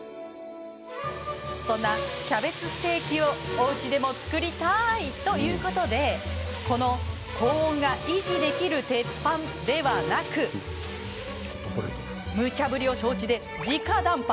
そんなキャベツステーキをおうちでも作りたいということでこの高温が維持できる鉄板ではなくむちゃぶりを承知で、じか談判。